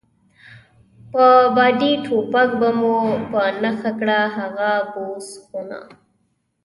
په بادي ټوپک به مو په نښه کړه، هغه بوس خونه.